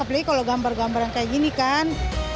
apalagi kalau gambar gambaran kayak gini kan